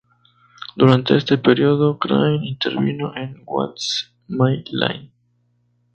Durante este periodo Crain intervino en "What's My Line?